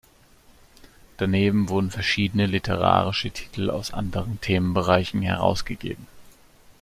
Daneben wurden verschiedene literarische Titel aus anderen Themenbereichen herausgegeben.